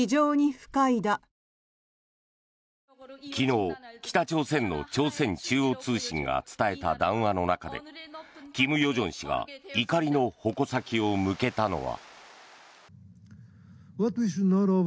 昨日、北朝鮮の朝鮮中央通信が伝えた談話の中で金与正氏が怒りの矛先を向けたのは。